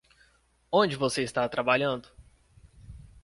Onde você está trabalhando?